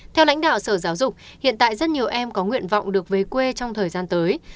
theo lãnh đạo sở giáo dục hiện tại rất nhiều em có nguyện vọng được về quê trong thời gian tới